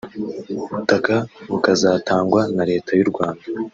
ubutaka bukazatangwa na leta y’u Rwanda